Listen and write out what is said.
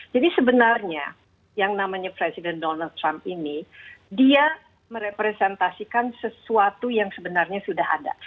jadi sebenarnya yang namanya presiden donald trump ini dia merepresentasikan sesuatu yang sebenarnya sudah ada